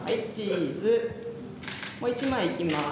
もう一枚いきます。